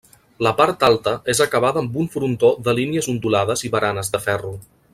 La part alta és acabada amb un frontó de línies ondulades i baranes de ferro.